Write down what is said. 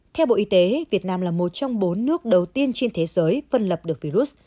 theo bộ y tế việt nam là một trong bốn nước đầu tiên trên thế giới phân lập được virus